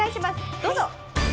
どうぞ。